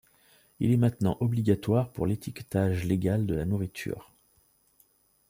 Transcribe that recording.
Il est maintenant obligatoire pour l'étiquetage légal de la nourriture.